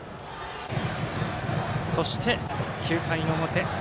そして、９回の表。